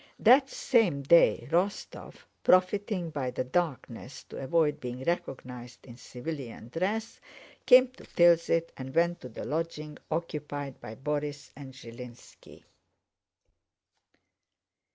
That same day, Rostóv, profiting by the darkness to avoid being recognized in civilian dress, came to Tilsit and went to the lodging occupied by Borís and Zhilínski.